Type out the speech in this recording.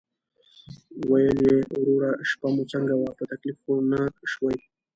ویل یې: "وروره شپه مو څنګه وه، په تکلیف خو نه شوئ؟"